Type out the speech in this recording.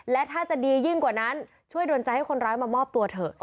และถ้าจะดียิ่งกว่านั้นช่วยดนใจให้คนร้ายมามอบตัวเถอะ